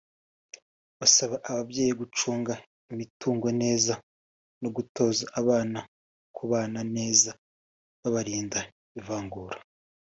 basaba ababyeyi gucunga imitungo neza no gutoza abana kubana neza babarinda ivangura